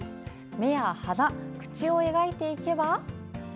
目や鼻、口を描いていけば。